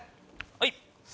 はい。